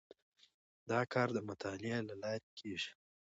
دا کار د مطالعې له لارې کیږي.